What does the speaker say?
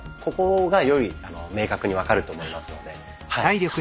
ここがより明確に分かると思いますのではい。